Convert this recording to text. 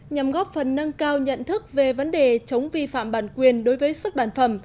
nhằm góp phần nâng cao nhận thức về vấn đề chống vi phạm bản quyền đối với xuất bản phẩm